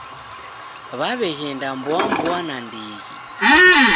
W'aw'eghenda mboa mboa nandighi